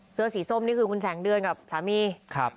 เสื้อสีส้มนี่คือคุณแสงเดือนกับสามีครับ